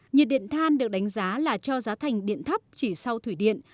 nhiệt điện than được đánh giá là cho giá thành điện thấp chỉ sau thủy điện